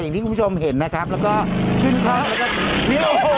อย่างที่คุณผู้ชมเห็นนะครับแล้วก็ขึ้นท้องนะครับ